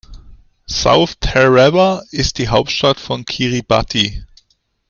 South Tarawa ist die Hauptstadt von Kiribati.